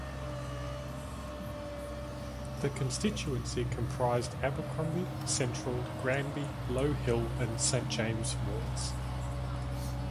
The constituency comprised Abercromby, Central, Granby, Low Hill, and Saint James wards.